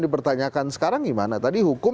dipertanyakan sekarang gimana tadi hukum